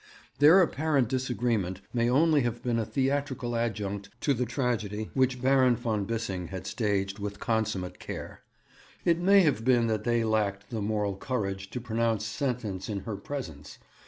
Their apparent disagreement may only have been a theatrical adjunct to the tragedy which Baron von Bissing had staged with consummate care. It may have been that they lacked the moral courage to pronounce sentence in her presence.